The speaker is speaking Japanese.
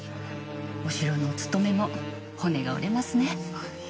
お城のお勤めも骨が折れますね。